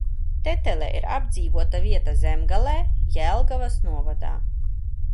Tetele ir apdzīvota vieta Zemgalē, Jelgavas novadā.